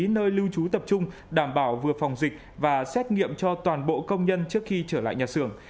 nơi lưu trú tập trung đảm bảo vừa phòng dịch và xét nghiệm cho toàn bộ công nhân trước khi trở lại nhà xưởng